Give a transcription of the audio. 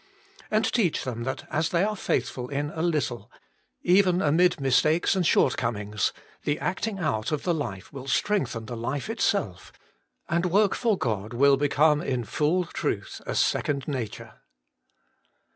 And teach them that as they are faithful in a little, even amid mistakes and short comings, the acting out of the life will Working for God 117 strengthen the Hfe itself, and work for God will become in full truth a second nature.